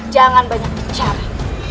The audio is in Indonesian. jangan banyak bicara